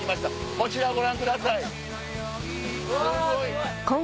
こちらをご覧ください。